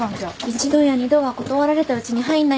一度や二度は断られたうちに入んないんだよ。